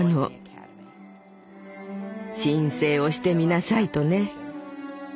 申請をしてみなさいとね。